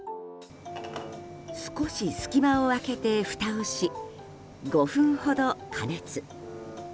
少し隙間を開けてふたをし５分ほど加熱。